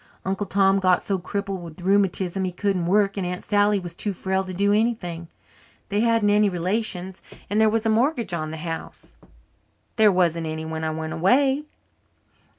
Uncle Tom got so crippled with rheumatism he couldn't work and Aunt Sally was too frail to do anything. They hadn't any relations and there was a mortgage on the house." "There wasn't any when I went away."